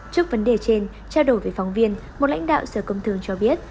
trước vấn đề trên trao đổi với phóng viên một lãnh đạo sở công thương cho biết